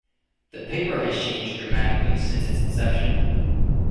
The paper has changed dramatically since its inception.